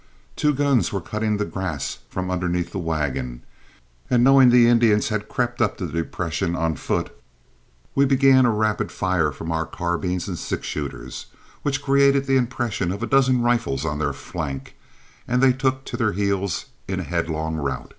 Two guns were cutting the grass from underneath the wagon, and, knowing the Indians had crept up the depression on foot, we began a rapid fire from our carbines and six shooters, which created the impression of a dozen rifles on their flank, and they took to their heels in a headlong rout.